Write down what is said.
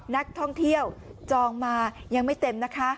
นักท่องเที่ยวจองมายังไม่เต็มนะคะ